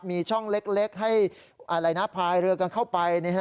มีช่องเล็กให้ลายหน้าพลายเรือกันเข้าไป